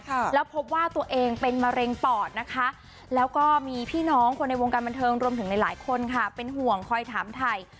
ค่ะแล้วพบว่าตัวเองเป็นมะเร็งปอดนะคะแล้วก็มีพี่น้องคนในวงการบันเทิงรวมถึงหลายหลายคนค่ะเป็นห่วงคอยถามไทย